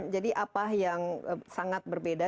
jadi apa yang sangat berbeda